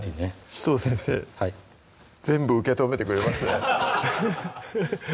紫藤先生全部受け止めてくれますね